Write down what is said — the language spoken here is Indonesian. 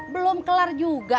belum kelar juga